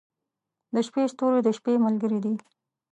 • د شپې ستوري د شپې ملګري دي.